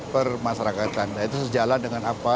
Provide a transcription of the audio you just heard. permasyarakatan nah itu sejalan dengan apa